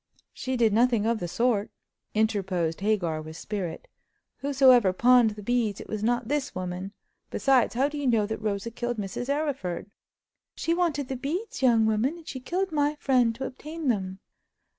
"She did nothing of the sort!" interposed Hagar, with spirit. "Whosoever pawned the beads, it was not this woman. Besides, how do you know that Rosa killed Mrs. Arryford?" "She wanted the beads, young woman, and she killed my friend to obtain them."